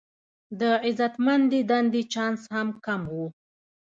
د عزتمندې دندې چانس هم کم و.